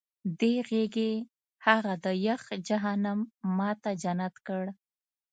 دې غېږې هغه د یخ جهنم ما ته جنت کړ